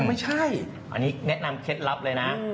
ไม่ใช่อันนี้แนะนำเคล็ดลับเลยนะ